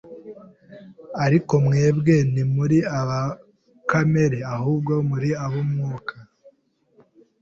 Ariko mwebwe ntimuri aba kamere, ahubwo muri ab'Umwuka